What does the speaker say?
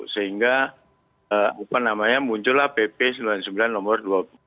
sehingga muncullah pp sembilan puluh sembilan nomor dua ribu dua belas